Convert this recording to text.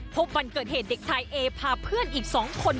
พบวันเกิดเหตุเด็กชายเอพาเพื่อนอีก๒คน